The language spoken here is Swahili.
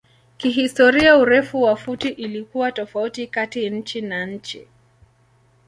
Kihistoria urefu wa futi ilikuwa tofauti kati nchi na nchi.